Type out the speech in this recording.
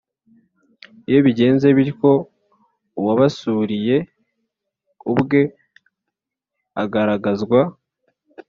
lyo bigenze bityo uwabasuriye ubwe agaragazwa